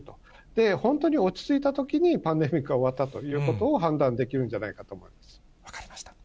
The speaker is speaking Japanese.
で、本当に落ち着いたときに、パンデミックが終わったということを判断できるんじゃないかと思分かりました。